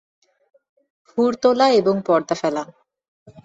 হুড় তোলা এবং পর্দা ফেলা।